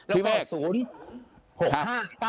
แล้วก็๐๖๕